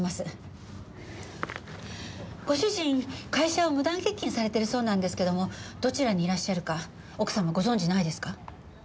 ご主人会社を無断欠勤されてるそうなんですけどもどちらにいらっしゃるか奥様ご存じないですか？